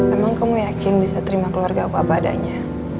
emang kamu yakin bisa terima keluarga aku apa adanya